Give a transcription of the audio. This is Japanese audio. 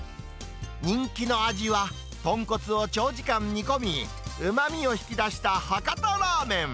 人気の味は、とんこつを長時間煮込み、うまみを引き出した博多ラーメン。